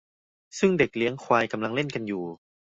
ซึ่งเด็กเลี้ยงควายกำลังเล่นกันอยู่